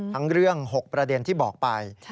ทั้งเรื่อง๖ประเด็นที่บอกไป